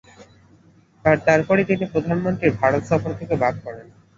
আর তারপরই তিনি প্রধানমন্ত্রীর ভারত সফর থেকে বাদ পড়েন।